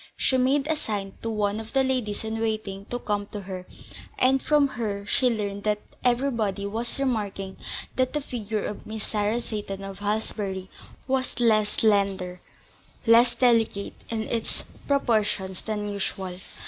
She made a sign to one of the ladies in waiting to come to her, and from her she learned that everybody was remarking that the figure of Miss Sarah Seyton of Halsbury was less slender, less delicate in its proportions than usual.